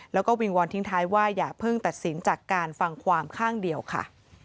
แล้วก็วิงวอนทิ้งท้ายว่าอย่าเพิ่งตัดสินจากการฟังความข้างเดียวค่ะ